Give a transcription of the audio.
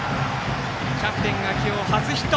キャプテンが今日初ヒット！